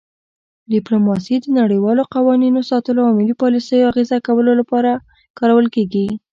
ډیپلوماسي د نړیوالو قوانینو ساتلو او ملي پالیسیو اغیزه کولو لپاره کارول کیږي